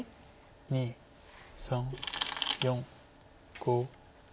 ２３４５。